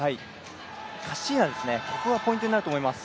カッシーナがポイントになると思います。